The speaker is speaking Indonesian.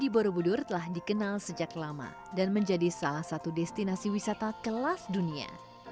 borobudur telah dikenal sejak lama dan menjadi salah satu destinasi wisata kelas dunia